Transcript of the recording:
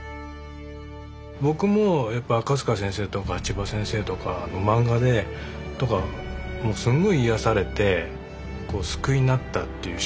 僕もやっぱ赤塚先生とかちば先生とかの漫画ですごい癒やされて救いになったっていう。